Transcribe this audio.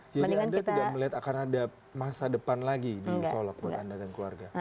jadi anda tidak melihat akan ada masa depan lagi di solok buat anda dan keluarga